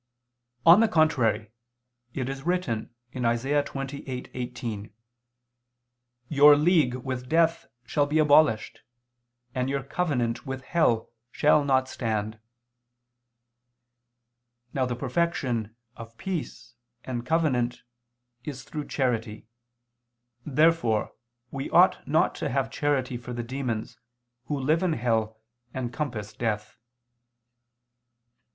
On the contrary, It is written (Isa. 28:18): "Your league with death shall be abolished, and your covenant with hell shall not stand." Now the perfection of a peace and covenant is through charity. Therefore we ought not to have charity for the demons who live in hell and compass death.